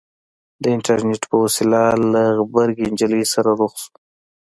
د اينټرنېټ په وسيله له غبرګې نجلۍ سره رخ شو.